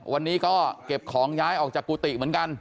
วันนี้ก็เก็บของย้ายออกจากกุฏิเหมือนกัน